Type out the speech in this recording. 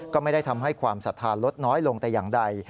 ก็ไม่ได้ทำให้ความศรัทธาลดน้อยลงแต่อย่างใด